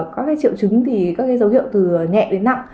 các triệu chứng thì các dấu hiệu từ nhẹ đến nặng